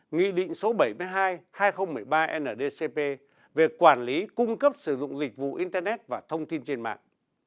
nghị định số bảy mươi hai hai nghìn một mươi ba ndcp về quản lý cung cấp sử dụng dịch vụ internet và thông tin trên mạng